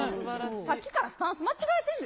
さっきからスタンス間違えてんで。